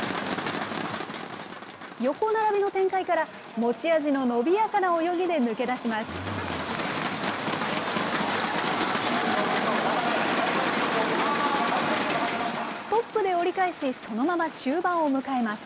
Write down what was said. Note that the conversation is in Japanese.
横並びの展開から、持ち味の伸びやかな泳ぎで抜け出します。